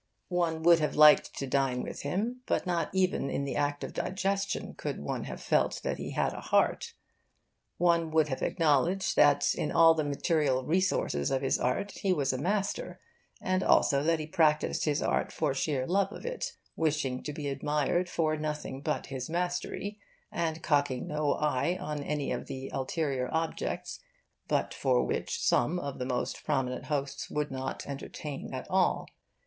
One would have liked to dine with him, but not even in the act of digestion could one have felt that he had a heart. One would have acknowledged that in all the material resources of his art he was a master, and also that he practised his art for sheer love of it, wishing to be admired for nothing but his mastery, and cocking no eye on any of those ulterior objects but for which some of the most prominent hosts would not entertain at all.